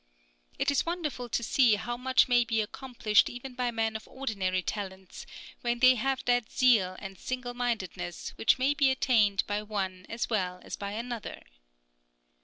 It is wonderful to see how much may be accomplished even by men of ordinary talents, when they have that zeal and single mindedness which may be attained by one as well as by another.